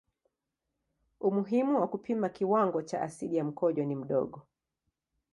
Umuhimu wa kupima kiwango cha asidi ya mkojo ni mdogo.